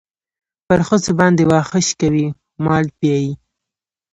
پر ښځو باندې واښه شکوي مال پيايي.